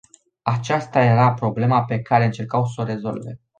Aceasta era problema pe care încercau s-o rezolve.